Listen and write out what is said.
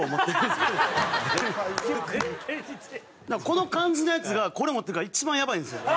この感じのヤツがこれ持ってるから一番やばいんですよ。